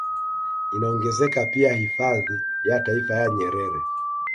Inaongezeka pia hifadhi ya taifa ya Nyerere